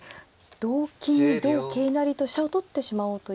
同金同桂成と飛車を取ってしまおうという。